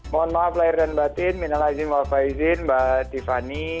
mohon maaf lahir dan batin minal aydin wafaizin mbak tiffany